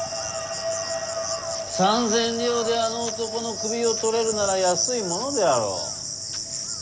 ３千両であの男の首を取れるなら安いものであろう？